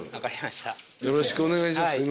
よろしくお願いします。